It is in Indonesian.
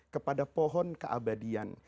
kepada pohon keabadian